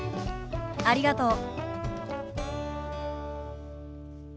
ありがとう。